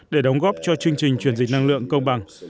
để đóng góp cho chương trình chuyển dịch năng lượng công bằng